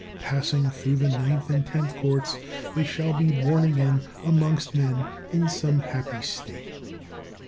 Passing through the Ninth and Tenth Courts, they shall be born again amongst men in some happy state."